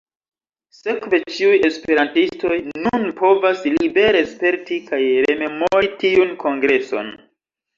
Sekve ĉiuj esperantistoj nun povas libere sperti kaj rememori tiun kongreson.